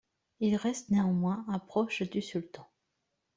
Il reste néanmoins un proche du Sultan.